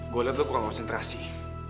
gue lihat lo kurang mau centra sih